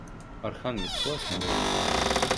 Архангельск — классный город